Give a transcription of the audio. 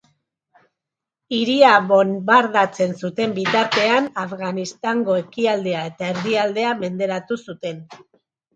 Hiria bonbardatzen zuten bitartean, Afganistango ekialdea eta erdialdea menderatu zuten.